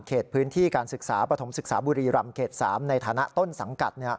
พื้นที่การศึกษาปฐมศึกษาบุรีรำเขต๓ในฐานะต้นสังกัด